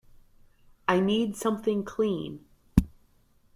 I need something clean.